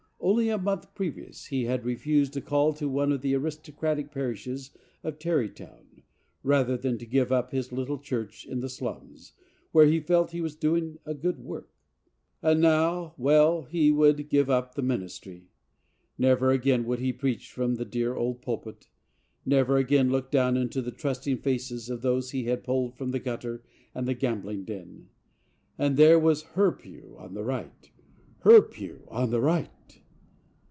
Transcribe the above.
Only a month previous he had refused a call to one of the aristocratic parishes of Tarrytown rather than to give up his little church in the slums, where he felt he was doing a good work. And now— well, he would give up the ministry. Never again would he preach from the dear old pulpit, never again look down into the trusting faces of those he had pulled from the gutter and the gambling den. And there was her pew on the right —her pew on the right!